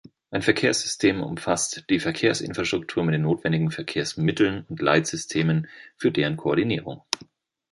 Ein Verkehrssystem umfasst die Verkehrsinfrastruktur mit den notwendigen Verkehrsmitteln und Leitsysteme für deren Koordinierung.